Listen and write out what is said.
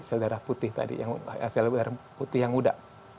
sel darah putih yang sudah